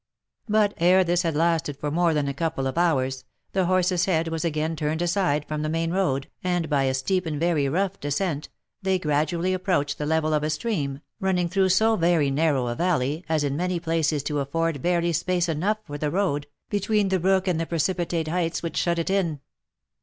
But ere this had lasted for more than a couple of hours, the horse's head was again turned aside from t the main road, and by a steep and very rough descent, they gradually approached the level of a stream, running through so very narrow a valley, as in many places to afford barely space enough for the road, between the brook and the precipitate heights which shut it in.